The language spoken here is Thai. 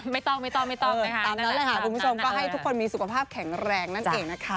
ไม่ต้องไม่ต้องตามนั้นแหละค่ะคุณผู้ชมก็ให้ทุกคนมีสุขภาพแข็งแรงนั่นเองนะคะ